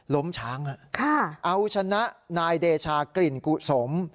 ล้มช้างเอาชนะนายเดชากลิ่นกุศล